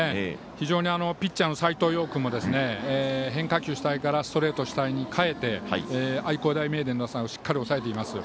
非常にピッチャーの斎藤蓉君も変化球主体からストレート主体に変えて愛工大名電の打線をしっかり抑えています。